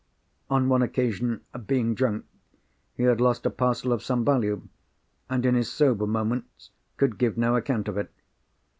On one occasion, being drunk, he had lost a parcel of some value, and in his sober moments could give no account of it.